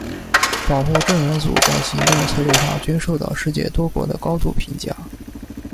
保护证人组在行动策略上均受到世界多国的高度评价。